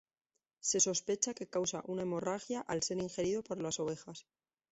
Se sospecha que causa una hemorragia al ser ingerido por las ovejas.